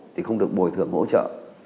thì không được bồi thường hỗ trợ